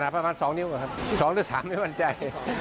ขนาดประมาณ๒นิ้วครับ๒๓ไม่ว่าใจ